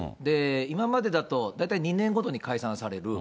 今までだと大体２年ごとに解散される。